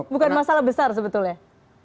bukan masalah besar sebetulnya